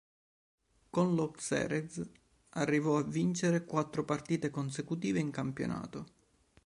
Con lo Xerez arrivò a vincere quattro partite consecutive in campionato.